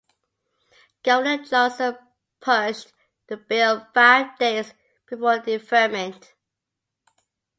Governor Johnson pushed the Bill five days before deferment.